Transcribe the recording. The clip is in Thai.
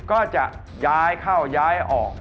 ก็จะย้ายเข้าย้ายออก